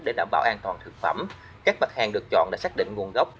để đảm bảo an toàn thực phẩm các mặt hàng được chọn để xác định nguồn gốc